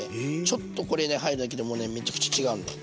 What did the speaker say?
ちょっとこれね入るだけでもうねめちゃくちゃ違うんだよ。